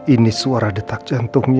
ini suara detik jantungnya